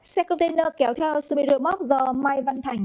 xe container kéo theo sermiro moc do mai văn thành